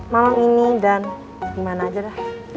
malam ini dan gimana aja dah